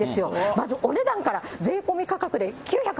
まずお値段から、税込み価格で９８０円。